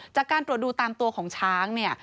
จากการตรวจดูตามตัวของช้างเนี่ย